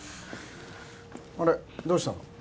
あれどうしたの？